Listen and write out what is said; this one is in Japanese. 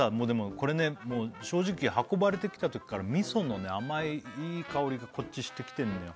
これね正直運ばれてきたときから味噌のね甘いいい香りがこっちしてきてんのよ